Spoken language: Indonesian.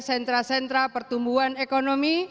sentra sentra pertumbuhan ekonomi